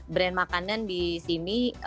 brand makanan di sini